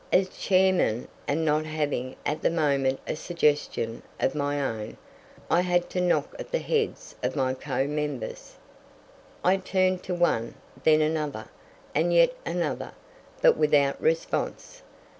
As chairman, and not having at the moment a suggestion of my own, I had to knock at the heads of my co members. I turned to one, then another, and yet another, but without response.